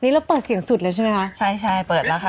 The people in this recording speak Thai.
นี่เราเปิดเสียงสุดเลยใช่ไหมคะใช่ใช่เปิดแล้วค่ะ